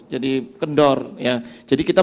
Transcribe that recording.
jadi kendor jadi kita